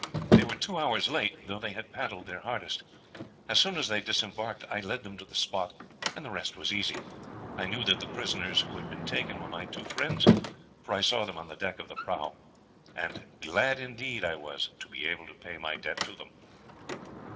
They were two hours late, though they had paddled their hardest. As soon as they disembarked I led them to the spot, and the rest was easy. I knew that the prisoners who had been taken were my two friends, for I saw them on the deck of the prahu; and glad indeed I was to be able to pay my debt to them."